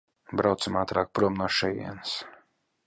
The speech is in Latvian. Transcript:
Braucam ātrāk prom no šejienes!